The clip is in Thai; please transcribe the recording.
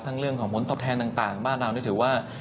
เรื่องของผลตอบแทนต่างบ้านเรานี่ถือว่า